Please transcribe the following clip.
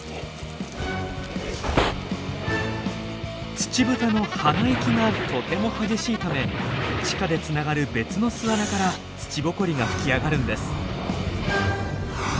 ツチブタの鼻息がとても激しいため地下でつながる別の巣穴から土ぼこりが噴き上がるんです。